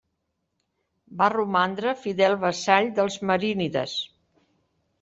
Va romandre fidel vassall dels marínides.